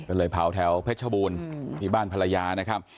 ก็เลยเผาแถวเพชรชบูรณ์ที่บ้านภรรยานะครับ